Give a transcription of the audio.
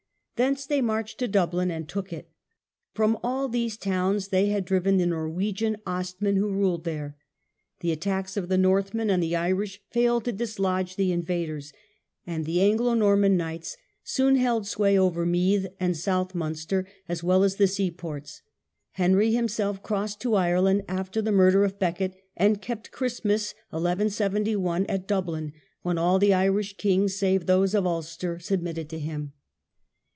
Thence they marched to Dublin and took it. From all these towns they had driven the Norwegian Ostmen who ruled there. The attacks of the Northmen and the Irish failed to dislodge the invaders; and the Anglo Norman knights soon held sway over Meath and South Munster as well as the seaports. Henry himself crossed to Ireland after the murder of Becket, and kept Christmas 1171 at Dublin, when all the Irish kings save those of Ulster submitted to him.